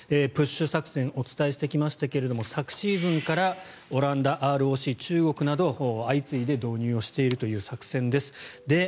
プッシュ作戦お伝えしてきましたけれども昨シーズンからオランダ、ＲＯＣ、中国など相次いで導入している作戦です。